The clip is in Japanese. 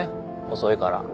遅いから。